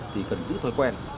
thì cần giữ thói quen